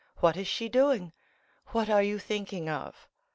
what is she doing? What are you thinking of?"